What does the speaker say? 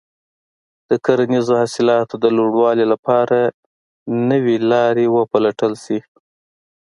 د کرنیزو حاصلاتو د لوړوالي لپاره نوې لارې وپلټل شي.